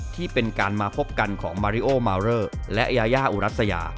ที่เป็นการมาพบกันของมาริโอมาเรอและยายาอุรัสยา